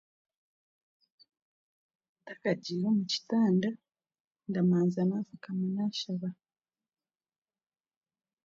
Ntakagiire omu kitanda ndabanza naafukama naashaba